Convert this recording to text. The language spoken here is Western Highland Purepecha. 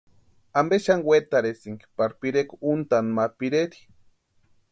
¿Ampe xani wetarhisïnki pari pirekwa úantani ma pireri?